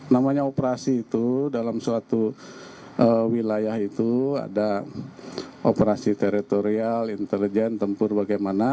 namanya operasi itu dalam suatu wilayah itu ada operasi teritorial intelijen tempur bagaimana